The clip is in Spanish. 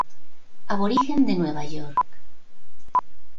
Aborigen de Nueva York.